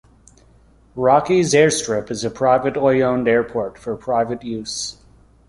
Rockey's Air Strip is a privately owned airport for private use.